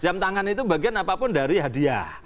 jam tangan itu bagian apapun dari hadiah